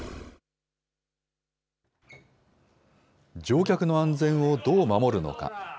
乗客の安全をどう守るのか。